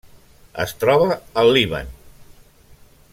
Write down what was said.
Es troba al Líban.